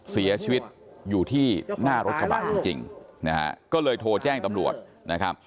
เสียชีวิตอยู่ที่หน้ารถกระบะจริงก็เลยโทรแจ้งตำรวจ